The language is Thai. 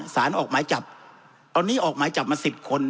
สารออกหมายจับตอนนี้ออกหมายจับมา๑๐คน